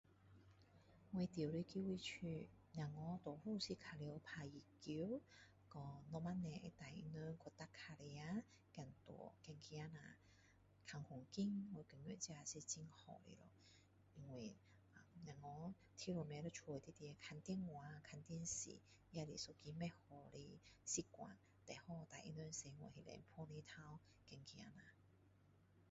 我住的这个地方小孩大多数是打羽球和父母会带他们去骑脚车和走路走走一下看风景这是很好的因为小孩一直多躲在家里里看电话看电视也是一个不好的习惯最好带他们出去晒太阳走走一下